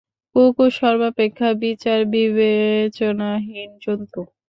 কুকুর সর্বাপেক্ষা বিচার বিবেচনাহীন জন্তু।